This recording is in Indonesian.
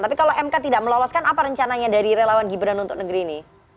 tapi kalau mk tidak meloloskan apa rencananya dari relawan gibran untuk negeri ini